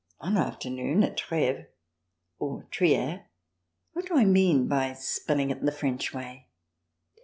One afternoon, at Treves, or Trier — what do I mean by spelling it the French way